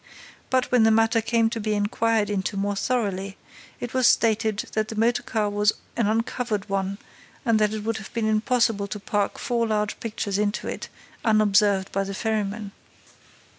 But, when the matter came to be inquired into more thoroughly, it was stated that the motor car was an uncovered one and that it would have been impossible to pack four large pictures into it unobserved by the ferryman.